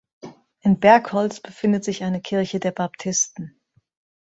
In Bergholz befindet sich eine Kirche der Baptisten.